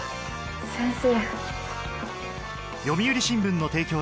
先生。